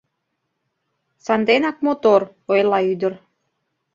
— Санденак мотор, — ойла ӱдыр.